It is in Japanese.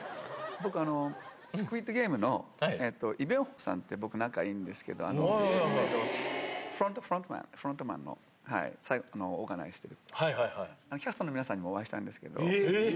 僕あの、スクイッドゲームのイ・ビョンホンさんって、僕仲いいんですけど、フロントマン、フロントマンの最後、オーガナイズしてる、キャストの皆さんにもお会いしたんですけど。